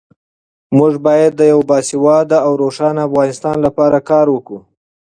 موږ باید د یو باسواده او روښانه افغانستان لپاره کار وکړو.